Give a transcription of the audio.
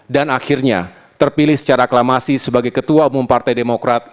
dan akhirnya terpilih secara aklamasi sebagai ketua umum partai demokrat